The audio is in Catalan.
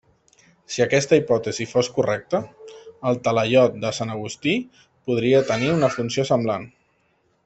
Si aquesta hipòtesi fos correcta, el talaiot de Sant Agustí podria tenir una funció semblant.